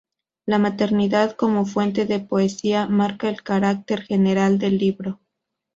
La maternidad como fuente de poesía marca el carácter general del libro.